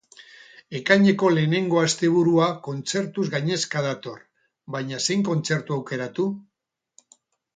Ekaineko lehenengo asteburua kontzertuz gainezka dator, baina zein kontzertu aukeratu?